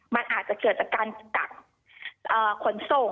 มันอาจจะเกิดจากการกักขนส่ง